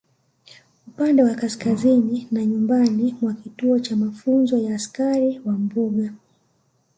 Upande wa kaskazini na nyumbani mwa kituo cha mafunzo ya askari wa mbuga